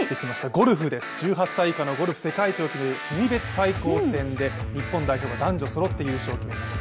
ゴルフです、１８歳以下のゴルフ世界一を決める国別対抗戦で日本代表が男女そろって優勝を決めました。